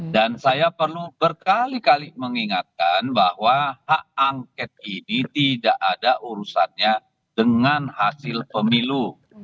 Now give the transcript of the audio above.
dan saya perlu berkali kali mengingatkan bahwa hak angket ini tidak ada urusannya dengan hasil pemilu